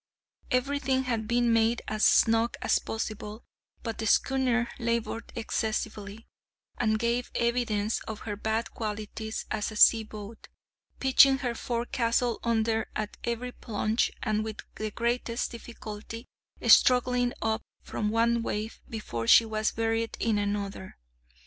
Every thing had been made as snug as possible, but the schooner laboured excessively, and gave evidence of her bad qualities as a seaboat, pitching her forecastle under at every plunge and with the greatest difficulty struggling up from one wave before she was buried in another.